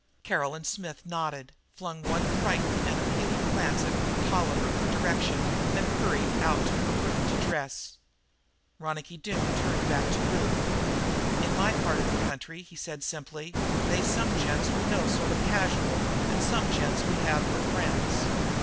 Caroline Smith nodded, flung one frightened and appealing glance to Ruth Tolliver for direction, then hurried out to her room to dress. Ronicky Doone turned back to Ruth. "In my part of the country," he said simply, "they's some gents we know sort of casual, and some gents we have for friends.